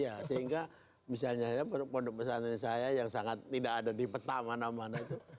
ya sehingga misalnya pondok pesantren saya yang sangat tidak ada di peta mana mana itu